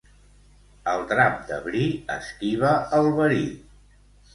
El drap de bri esquiva el verí.